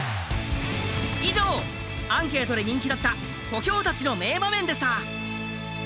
以上アンケートで人気だった小兵たちの名場面でした。